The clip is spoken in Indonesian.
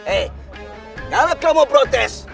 eh kalau kamu protes